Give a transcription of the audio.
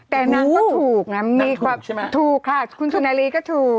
แต่นางก็ถูกนะถูกค่ะคุณสุนารีก็ถูก